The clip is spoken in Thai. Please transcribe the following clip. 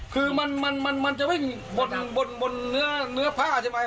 คือมันจะวิ่งบนเนื้อผ้าใช่ไหม